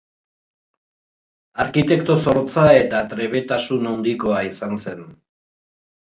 Arkitekto zorrotza eta trebetasun handikoa izan zen.